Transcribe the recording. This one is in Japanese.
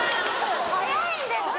早いんですよ！